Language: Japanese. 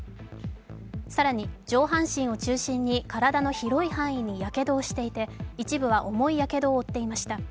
更に上半身を中心に体の広い範囲にやけどをしていて、一部は重いやけどを負っていました。